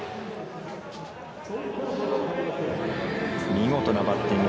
見事なバッティング。